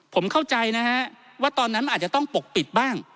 ผมเข้าใจนะฮะว่าตอนนั้นมันอาจจะต้องปกปิดบ้าง